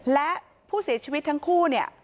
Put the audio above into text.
และผู้เสียชีวิตทั้งคู่เนี่ย